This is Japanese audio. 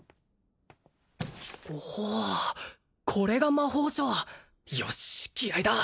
おおこれが魔法書よしっ気合いだ！